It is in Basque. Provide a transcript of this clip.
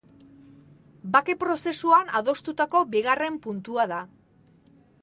Bake prozesuan adostutako bigarren puntua da.